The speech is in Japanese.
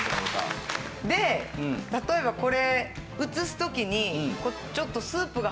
で例えばこれ移す時に。